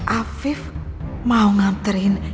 afif mau nganterin